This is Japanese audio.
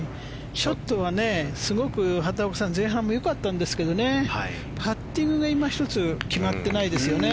ショットは、すごく前半もよかったんですけどねパッティングがいま一つ決まってないですよね。